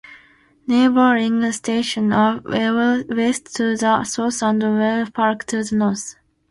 Neighbouring stations are Ewell West to the south and Worcester Park to the north.